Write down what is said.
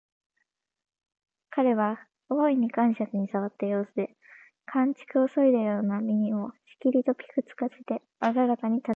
彼は大いに肝癪に障った様子で、寒竹をそいだような耳をしきりとぴく付かせてあららかに立ち去った